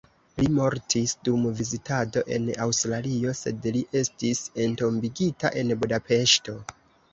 Li mortis dum vizitado en Aŭstralio, sed li estis entombigita en Budapeŝto.